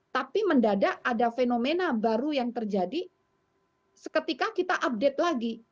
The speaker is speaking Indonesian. tapi mendadak ada fenomena baru yang terjadi seketika kita update lagi